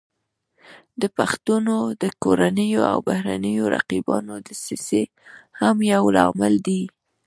د پښتنو د کورنیو او بهرنیو رقیبانو دسیسې هم یو لامل دی